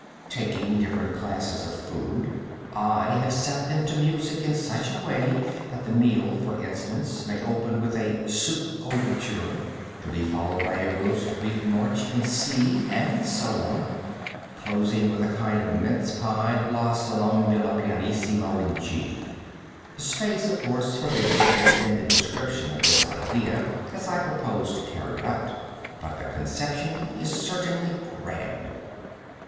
Taking different classes of food, I have set them to music in such a way that the meal, for instance, may open with a Soup Overture, to be followed by a Roast Beef March in C, and so on, closing with a kind of Mince Pie La Somnambula pianissimo in G. Space, of course, forbids an extended description of this idea as I propose to carry it out, but the conception is certainly grand.